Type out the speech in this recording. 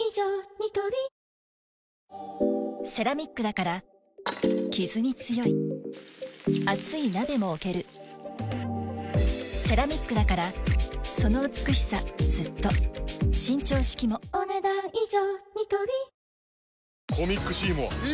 ニトリセラミックだからキズに強い熱い鍋も置けるセラミックだからその美しさずっと伸長式もお、ねだん以上。